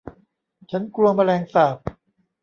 ฉันกลัวแมลงสาบ